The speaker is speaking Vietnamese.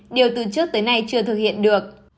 điều từ trước tới nay chưa thực hiện được